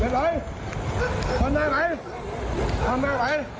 เลยเลยเอารถมาเข้ามา